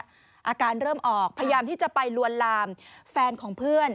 อาการเริ่มออกพยายามที่จะไปลวนลามแฟนของเพื่อน